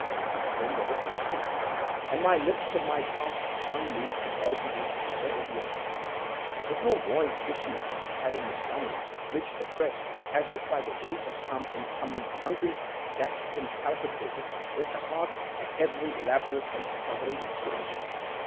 I endeavored to shriek , and my lips and my parched tongue moved convulsively together in the attempt but no voice issued from the cavernous lungs, which oppressed as if by the weight of some incumbent mountain, gasped and palpitated, with the heart, at every elaborate and struggling inspiration.